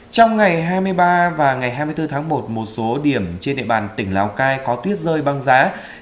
trong ngày hai mươi ba và ngày hai mươi bốn tháng một một số điểm trên địa bàn tỉnh lào cai có tuyết rơi băng giá